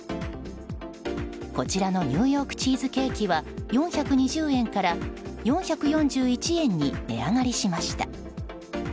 こちらのニューヨークチーズケーキは４２０円から４４１円に値上がりしました。